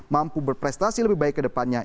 mampu berprestasi lebih baik ke depannya